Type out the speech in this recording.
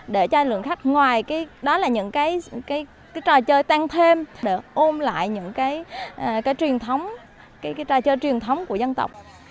để cho lượng khách ngoài đó là những trò chơi tăng thêm để ôm lại những trò chơi truyền thống của dân tộc